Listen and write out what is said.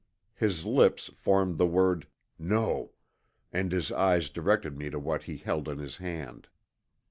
His lips formed the word, "No," and his eyes directed me to what he held in his hand.